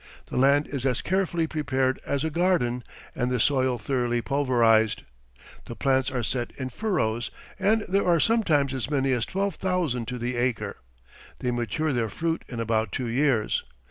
The land is as carefully prepared as a garden, and the soil thoroughly pulverized. The plants are set in furrows, and there are sometimes as many as twelve thousand to the acre. They mature their fruit in about two years.